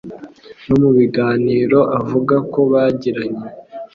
nomu biganiro avuga ko bagiranye.